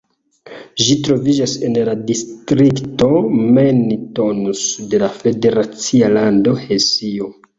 Ĝi troviĝas en la distrikto Main-Taunus de la federacia lando Hesio.